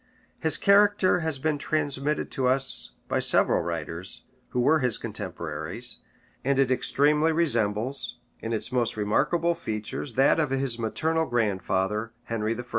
His character has been transmitted to us by several writers, who were his contemporaries; and it extremely resembles, in its most remarkable features, that of his maternal grandfather, Henry I.